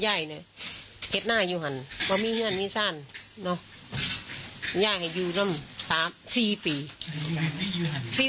ยายเนี่ยเห็ดหน้าอยู่หันมีเงื่อนนี้สร้างอยู่น้ำสามสี่ปี